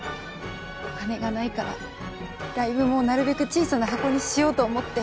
お金がないからライブもなるべく小さな箱にしようと思って。